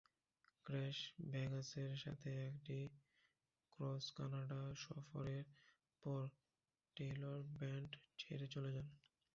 Crash ভেগাসের সাথে একটি ক্রস-কানাডা সফরের পর টেইলর ব্যান্ড ছেড়ে চলে যান।